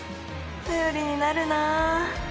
頼りになるな。